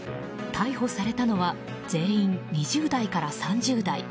逮捕されたのは全員、２０代から３０代。